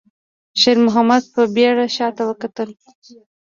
شېرمحمد په بيړه شاته وکتل.